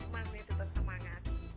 masih tetap semangat